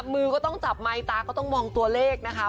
มือก็ต้องจับไมค์ตาก็ต้องมองตัวเลขนะคะ